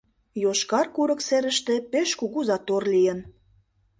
Йошкар курык серыште пеш кугу затор лийын.